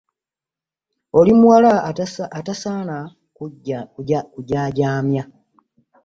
Oli muwala atasaana kujaajaamya.